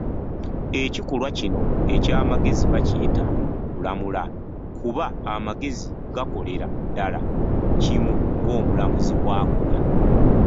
Ekikolwa kino eky'amagezi bakiyita 'kulamula' kuba amagezi gakolera ddala kimu ng'omulamuzi bw'akola.